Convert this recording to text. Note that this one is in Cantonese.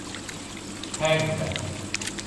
聽唔明